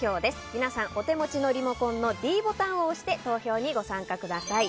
皆さんお手持ちのリモコンのｄボタンを押して投票にご参加ください。